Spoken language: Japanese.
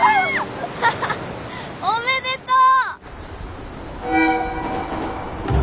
アハハッおめでとう！